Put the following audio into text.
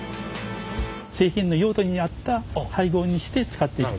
製品の用途に合った配合にして使っていると。